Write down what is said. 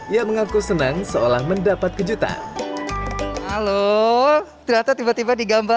ia mengaku senang seolah mendapat kejutan